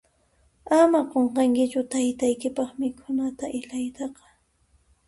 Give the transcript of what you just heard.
Ama qunqankichu taytaykipaq mikhuna ilaytaqa.